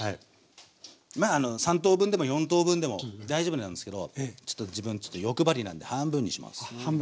まああの３等分でも４等分でも大丈夫なんですけどちょっと自分ちょっと欲張りなんで半分にします。